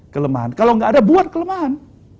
kelemahan kalau nggak ada buat kelemahan